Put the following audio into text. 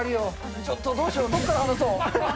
ちょっとどうしよう、どっから話そう。